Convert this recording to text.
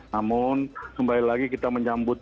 namun kembali lagi kita menyambut